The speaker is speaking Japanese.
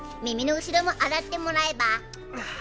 耳の後ろも洗ってもらえば。